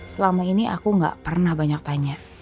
selama ini aku gak pernah banyak tanya